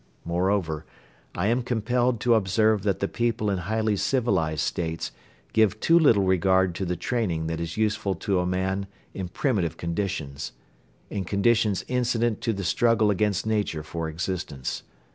Moreover, I am compelled to observe that the people in highly civilized states give too little regard to the training that is useful to man in primitive conditions, in conditions incident to the struggle against nature for existence.